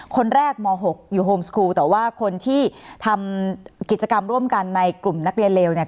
คนแรกม๖อยู่โฮมสกูลแต่ว่าคนที่ทำกิจกรรมร่วมกันในกลุ่มนักเรียนเลวเนี่ย